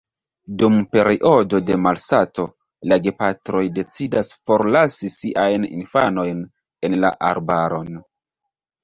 Dum periodo de malsato, la gepatroj decidas forlasi siajn infanojn en la arbaron.